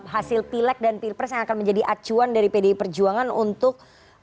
hasil pileg dan pileg yang akan menjadi acuan dari pd perjuangan untuk